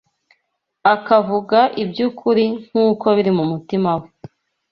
akavuga iby’ukuri nk’uko biri mu mutima we